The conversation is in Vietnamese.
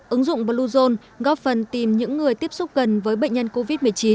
ứng dụng bluezone góp phần tìm những người tiếp xúc gần với bệnh nhân covid một mươi chín